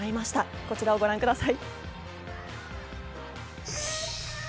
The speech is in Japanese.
こちらをご覧ください。